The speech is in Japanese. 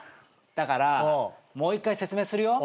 だからもう一回説明するよ。